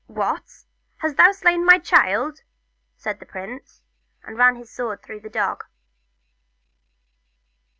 "What! hast thou slain my child?" said the prince, and ran his sword through the dog.